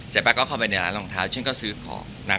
ป้าก็เข้าไปในร้านรองเท้าฉันก็ซื้อของ